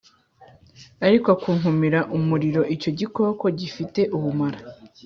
Ariko akunkumurira mu muriro icyo gikoko gi fite ubumara